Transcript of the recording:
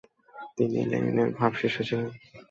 তিনি লেনিনের ভাবশিষ্য ছিলেন।